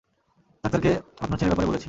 ডাক্তারকে আপনার ছেলের ব্যাপারে বলেছি।